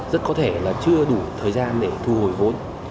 rất có thể là chưa đủ thời gian để thu hồi vốn